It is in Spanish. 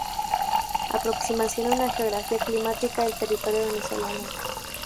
Aproximación a una geografía climática del territorio venezolano".